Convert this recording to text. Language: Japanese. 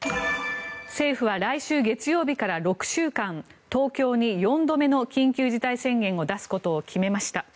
政府は来週月曜日から６週間東京に４度目の緊急事態宣言を出すことを決めました。